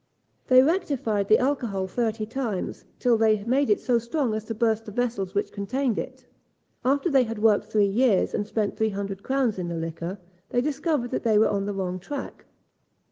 They rectified the alcohol thirty times, till they made it so strong as to burst the vessels which contained it. After they had worked three years, and spent three hundred crowns in the liquor, they discovered that they were on the wrong track.